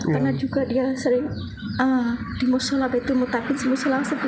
karena juga dia sering dimusulah betul mutafik dimusulah sedikit